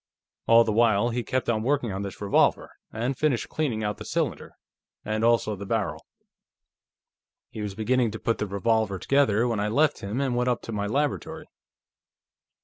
All the while, he kept on working on this revolver, and finished cleaning out the cylinder, and also the barrel. He was beginning to put the revolver together when I left him and went up to my laboratory.